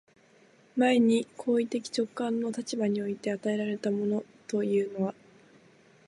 前に行為的直観の立場において与えられたものというのは、